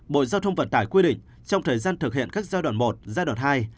bộ giao thông vận tải quy định trong thời gian thực hiện các giai đoạn một giai đoạn hai